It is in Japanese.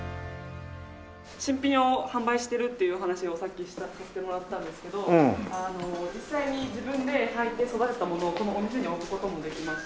新品を販売してるっていう話をさっきさせてもらったんですけど実際に自分ではいて育てたものをこのお店に置く事もできまして。